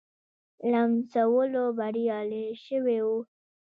لمسولو بریالی شوی وو.